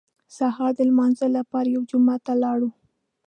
سهار د لمانځه لپاره یو جومات ته لاړو.